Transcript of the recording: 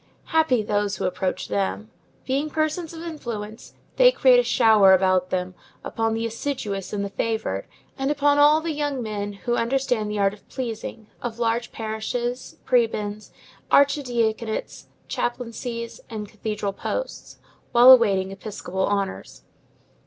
Happy those who approach them! Being persons of influence, they create a shower about them, upon the assiduous and the favored, and upon all the young men who understand the art of pleasing, of large parishes, prebends, archidiaconates, chaplaincies, and cathedral posts, while awaiting episcopal honors.